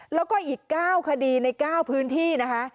แล้วก็อีก๙คดีใน๙พื้นที่นะคะ